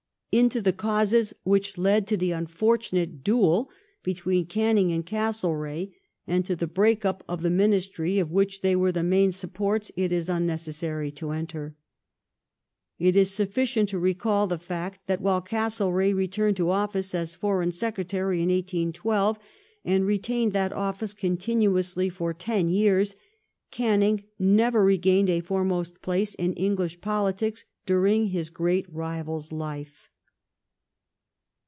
Into the causes which led to the unfortunate duel between Canning and Castlereagh, and to the break up of the Ministry of which they were the main supports, it is unnecessary to enter.^ It is sufficient to recall the fact that while Castlereagh returned to office as Foreign Secretary in 1812, and retained that office con tinuously for ten years, Canning never I'egained a foremost place in English politics during his great rival's life.